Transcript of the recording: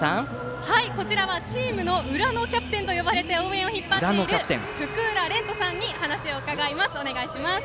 こちらはチームの裏のキャプテンと呼ばれて応援を引っ張るふくうられんとさんに話を伺います。